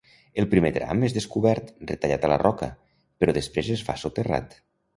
El primer tram és descobert, retallat a la roca, però després es fa soterrat.